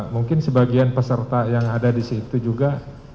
mungkin sebagian peserta yang ada di situ juga